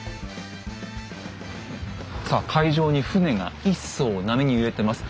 さあ海上に船が１艘波に揺れてます。